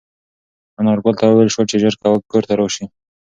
انارګل ته وویل شول چې ژر کور ته راشي.